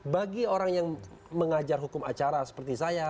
bagi orang yang mengajar hukum acara seperti saya